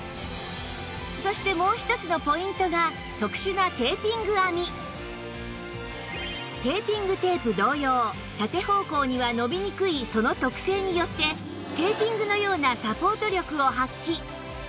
そしてもう１つのポイントがテーピングテープ同様縦方向には伸びにくいその特性によってテーピングのようなサポート力を発揮